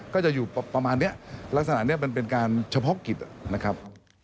ก็จะอยู่ประมาณนี้ลักษณะนี้มันเป็นการเฉพาะกิจนะครับ